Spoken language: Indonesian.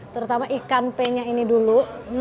terutama ikan penya ini dulu